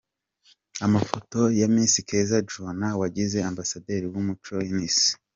Amafoto ya Miss Keza Joannah wagizwe Ambasaderi w'Umuco ku isi.